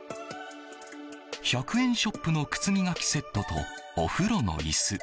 １００円ショップの靴磨きセットと、お風呂の椅子。